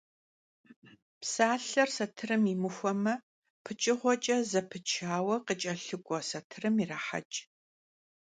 Psalher satırım yimıxueme, pıçığueç'e zepıxaue khıç'elhık'ue satırım yiraheç'.